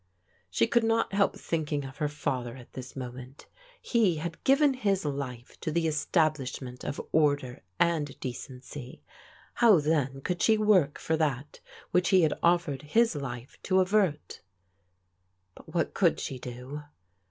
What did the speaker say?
'* She could not help thinking of her father at this mo ment. He had given his life to the establishment of order and decency. How, then, could she work for that which he had offered his life to avert ? But what could she do